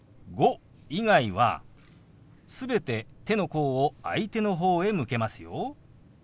「５」以外は全て手の甲を相手の方へ向けますよ。